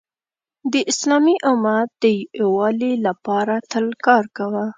د اسلامی امت د یووالي لپاره تل کار کوه .